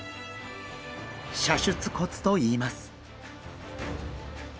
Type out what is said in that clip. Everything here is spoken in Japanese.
射出骨といいます。